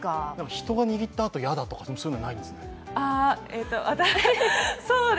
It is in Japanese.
人が握ったあと、嫌だとか、そういうのはないんですか？